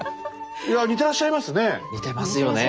いや似てらっしゃいますねえ。